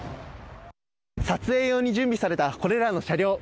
撮影用に準備されたこれらの車両。